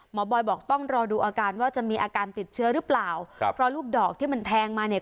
บอยบอกต้องรอดูอาการว่าจะมีอาการติดเชื้อหรือเปล่าครับเพราะลูกดอกที่มันแทงมาเนี่ย